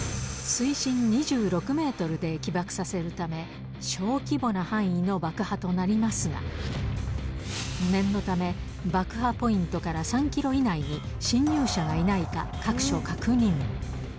水深２６メートルで起爆させるため、小規模な範囲の爆破となりますが、念のため、爆破ポイントから３キロ以内に侵入者がいないか、各所確認。